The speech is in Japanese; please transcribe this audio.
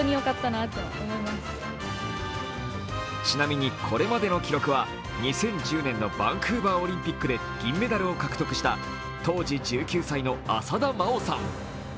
ちなみにこれまでの記録は２０１０年のバンクーバーオリンピックで銀メダルを獲得した当時１９歳の浅田真央さん。